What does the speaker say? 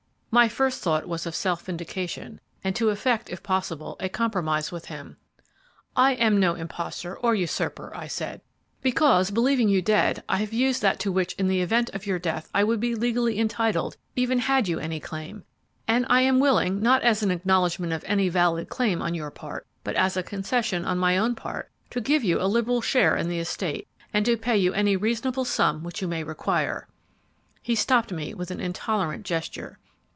"My first thought was of self vindication, and to effect, if possible, a compromise with him. 'I am no impostor or usurper,' I said, 'because, believing you dead, I have used that to which in the event of your death I would be legally entitled even had you any claim, and I am willing, not as an acknowledgment of any valid claim on your part, but as a concession on my own part, to give you a liberal share in the estate, or to pay you any reasonable sum which you may require "He stopped me with an intolerant gesture.